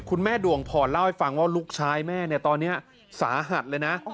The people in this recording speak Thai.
คุณแม่ดวงพรเล่าให้ฟังว่าลูกชายแม่เนี่ยตอนนี้สาหัสเลยนะ